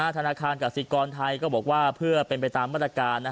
ธนาคารกับสิทธิ์กรไทยก็บอกว่าเพื่อเป็นไปตามบริการ